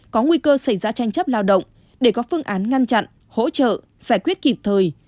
có nguy cơ xảy ra tranh chấp lao động để có phương án ngăn chặn hỗ trợ giải quyết kịp thời